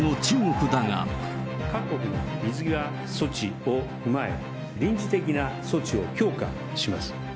各国の水際措置を踏まえ、臨時的な措置を強化します。